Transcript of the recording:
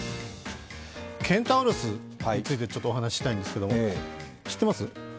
ケンタウロスについてお話ししたいんですけど、知ってます？